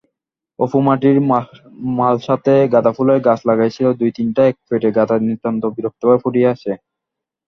অপু মাটির মালসাতে গাঁদাফুলের গাছ লাগাইয়াছিল, দু-তিনটা একপেটে গাদা নিতান্ত বিরক্তভাবে ফুটিয়া আছে।